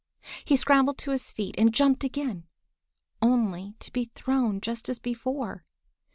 He scrambled to his feet and jumped again, only to be thrown just as before.